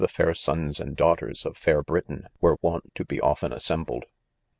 ■ fair sons and daughters of fair Britain, were wont to be often assembled.